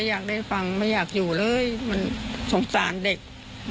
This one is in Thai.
พักฝังไม่อยากอยู่เลยมันโสงสารเด็ก